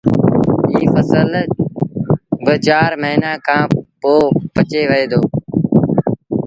ايٚ ڦسل با چآر موهيݩآ کآݩ پو پچي وهي دو